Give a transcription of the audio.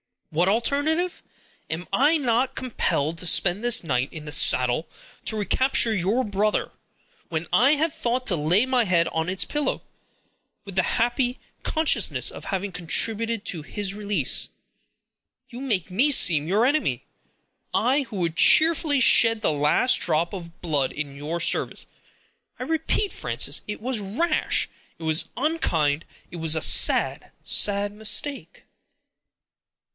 "What alternative! Am I not compelled to spend this night in the saddle to recapture your brother, when I had thought to lay my head on its pillow, with the happy consciousness of having contributed to his release? You make me seem your enemy; I, who would cheerfully shed the last drop of blood in your service. I repeat, Frances, it was rash; it was unkind; it was a sad, sad mistake."